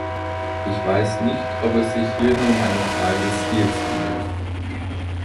Ich weiß nicht, ob es sich hier nur um eine Frage des Stils handelt.